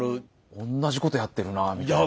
おんなじことやってるなあみたいな。